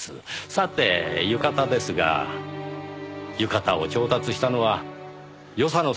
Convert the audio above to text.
さて浴衣ですが浴衣を調達したのは与謝野さんではありませんかね？